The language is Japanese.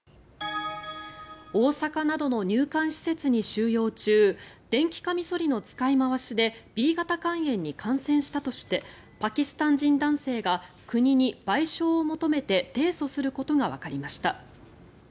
大阪などの入管施設に収容中電気カミソリの使い回しでＢ型肝炎に感染したとしてパキスタン人男性が国に賠償を求めて提訴することがわかりました。